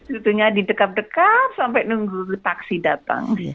cucunya didekap dekap sampai nunggu taksi datang